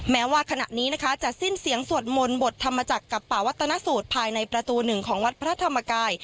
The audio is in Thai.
แม้ว่าขณะนี้นะคะจะสิ้นเสียงสวดมนต์บทธรรมจักรกับป่าวัตนสูตรภายในประตูหนึ่งของวัดพระธรรมกาย